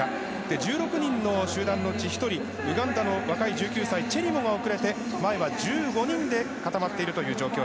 １６人の集団のうち１人、ウガンダの若い１９歳チェリモが遅れて、前は１５人で戦っているという状況。